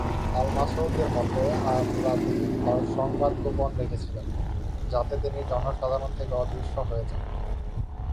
আল-মাসউদির মতে, আর-রাদি "তার সংবাদ গোপন রেখেছিলেন", যাতে তিনি জনসাধারণ থেকে অদৃশ্য হয়ে যান।